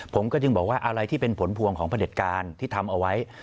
ผมก็จึงบอกว่าอะไรที่เป็นผลพวงของพระเด็จการที่ทำเอาไว้